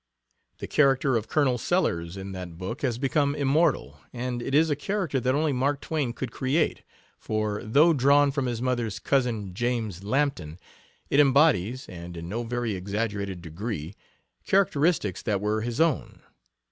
The character of Colonel Sellers in that book has become immortal, and it is a character that only Mark Twain could create, for, though drawn from his mother's cousin, James Lampton, it embodies and in no very exaggerated degree characteristics that were his own.